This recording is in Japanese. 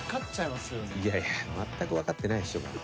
いやいや全くわかってないでしょうが。